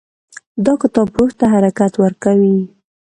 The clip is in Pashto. دا کتاب روح ته حرکت ورکوي.